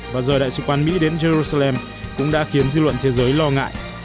và rời đại sứ quán mỹ đến jerusalem cũng đã khiến dư luận thế giới lo ngại